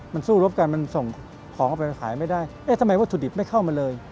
มันสู้รบกันมันส่งของเอาไปขายไม่ได้เอ๊ะทำไมวัตถุดิบไม่เข้ามาเลย